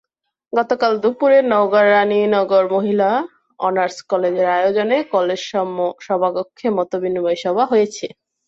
গতকাল দুপুরে নওগাঁর রানীনগর মহিলা অনার্স কলেজের আয়োজনে কলেজ সভাকক্ষে মতবিনিময় সভা হয়েছে।